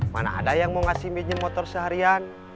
mana ada yang mau ngasih meja motor seharian